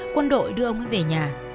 quân đội đưa ông ấy về nhà